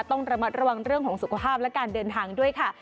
ต้องระมัดระวังเรื่องของสุขภาพและการเดินทางด้วยค่ะ